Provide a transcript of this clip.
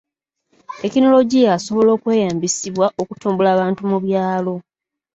Tekinologiya asobola okweyambisibwa okutumbula abantu mu byalo.